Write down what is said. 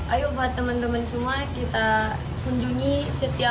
ayo buat teman teman semua kita kunjungi setiap